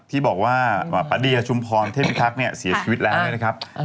ที่บอกว่าปาเดียชุมพรเทพิทักษ์เนี่ยเสียชีวิตแล้วเนี่ยนะครับ